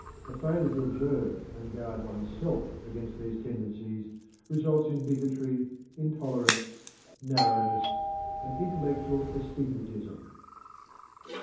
A failure to observe and guard one's self against these tendencies results in bigotry, intolerance, narrowness, and intellectual astigmatism.